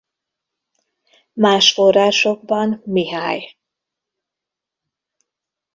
Más forrásokban Mihály.